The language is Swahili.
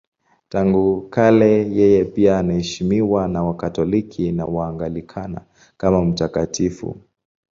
Tangu kale yeye pia anaheshimiwa na Wakatoliki na Waanglikana kama mtakatifu.